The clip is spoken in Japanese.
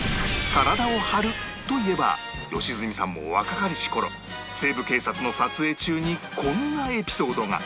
体を張るといえば良純さんも若かりし頃『西部警察』の撮影中にこんなエピソードが